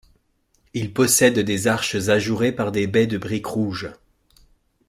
Il possède des arches ajourées par des baies de brique rouges.